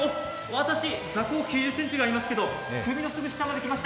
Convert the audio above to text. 私、座高９０ｃｍくらいありますけど、首のすぐ下まできています。